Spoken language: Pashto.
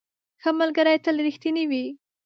ښه ملګري تل رښتیني وي.